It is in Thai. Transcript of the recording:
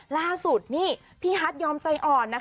ล่าสุดนี่พี่ฮัทยอมใจอ่อนนะคะ